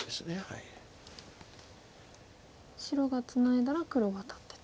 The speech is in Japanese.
白がツナいだら黒ワタってと。